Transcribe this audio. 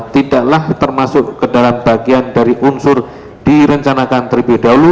tidaklah termasuk ke dalam bagian dari unsur direncanakan terlebih dahulu